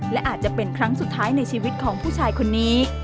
และอาจจะเป็นครั้งสุดท้ายในชีวิตของผู้ชายคนนี้